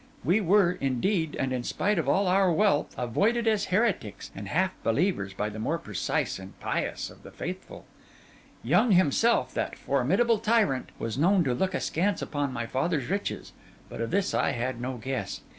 We were, indeed, and in spite of all our wealth, avoided as heretics and half believers by the more precise and pious of the faithful: Young himself, that formidable tyrant, was known to look askance upon my father's riches; but of this I had no guess.